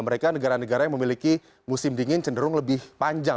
mereka negara negara yang memiliki musim dingin cenderung lebih panjang